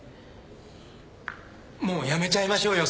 もう辞めちゃいましょうよ